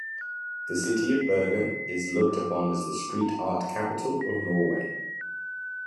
The city of Bergen is looked upon as the street art capital of Norway.